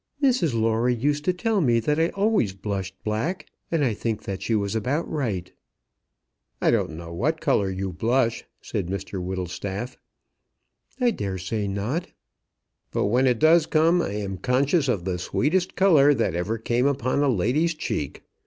"Mrs Lawrie used to tell me that I always blushed black, and I think that she was about right." "I do not know what colour you blush," said Mr Whittlestaff. "I daresay not." "But when it does come I am conscious of the sweetest colour that ever came upon a lady's cheek.